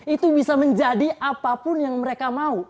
itu bisa menjadi apapun yang mereka mau